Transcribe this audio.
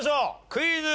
クイズ。